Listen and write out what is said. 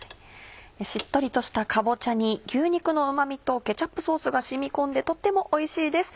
しっとりとしたかぼちゃに牛肉のうまみとケチャップソースが染み込んでとってもおいしいです。